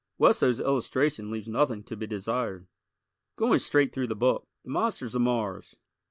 Wesso's illustration leaves nothing to be desired. Going straight through the book: "The Monsters of Mars."